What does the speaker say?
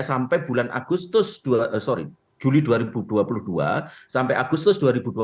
sampai bulan agustus sorry juli dua ribu dua puluh dua sampai agustus dua ribu dua puluh